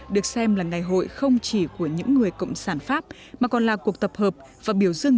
được xem là ngày hội không chỉ của những người cộng sản pháp mà còn là cuộc tập hợp và biểu dương